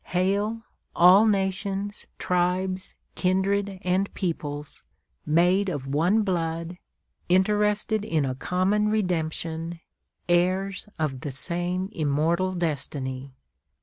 Hail, all nations, tribes, kindred, and peoples, made of one blood, interested in a common redemption, heirs of the same immortal destiny!